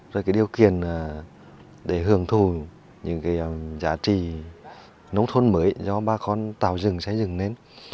rồi điều kiện để hưởng thù những giá trị nông thôn mới do ba con tạo rừng xây dựng lên